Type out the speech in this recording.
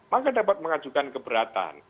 maka dapat mengajukan keberatan